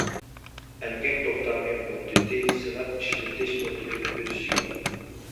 ئەمگەك توختامى مۇددىتى سىناپ ئىشلىتىش مۇددىتىنى ئۆز ئىچىگە ئالىدۇ.